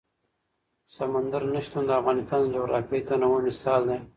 سمندر نه شتون د افغانستان د جغرافیوي تنوع مثال دی.